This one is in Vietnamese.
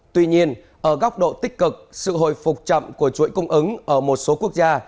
tuy nhiên ở góc độ tích cực sự hồi phục chậm của chuỗi cung ứng ở một số quốc gia